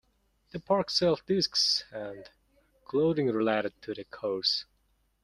The park sells discs and clothing related to the course.